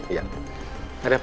iya ada apa